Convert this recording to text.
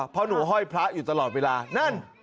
เพราะหนูห้อยพระอยู่ตลอดเวลานั่น